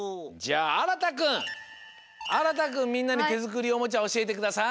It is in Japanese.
あらたくんみんなにてづくりおもちゃおしえてください。